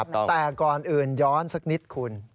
แต่ก่อนอื่นย้อนสักนิดคุณ